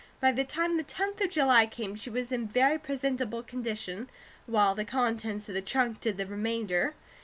By the time the tenth of July came, she was in very presentable condition, while the contents of the trunk did the remainder.